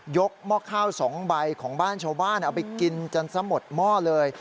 หม้อข้าว๒ใบของบ้านชาวบ้านเอาไปกินกันซะหมดหม้อเลย